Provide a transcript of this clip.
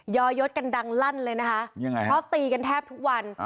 อยศกันดังลั่นเลยนะคะยังไงฮะเพราะตีกันแทบทุกวัน